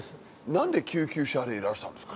何で救急車でいらしたんですか？